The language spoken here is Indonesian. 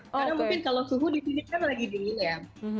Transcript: karena mungkin kalau suhu di sini kan lagi dingin ya